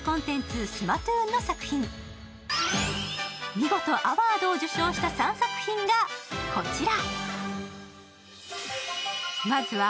見事アワードを受賞した３作品がこちら。